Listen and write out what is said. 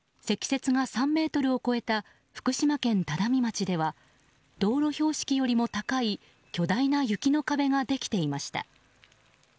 積雪が３ｍを超えた福島県只見町では道路標識よりも高い巨大な雪の壁ができていました。